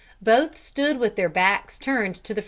Both stood with their backs turned to the fruit stand.